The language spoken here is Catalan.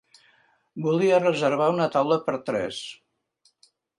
Volia reservar una taula per tres.